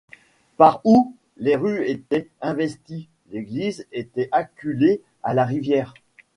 Par où? les rues étaient investies, l’église était acculée à la rivière.